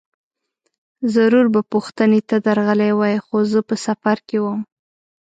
ضرور به پوښتنې ته درغلی وای، خو زه په سفر کې وم.